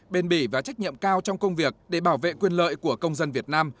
bền bỉ và trách nhiệm cao trong công việc để bảo vệ quyền lợi của công dân việt nam